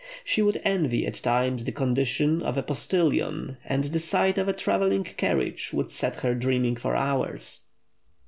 She would envy at times the condition of a postilion, and the sight of a travelling carriage would set her dreaming for hours.